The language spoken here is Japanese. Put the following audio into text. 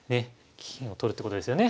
金を取るってことですよね。